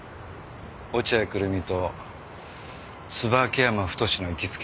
落合久瑠実と椿山太の行きつけの店。